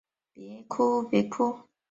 该物种的模式产地在石屏。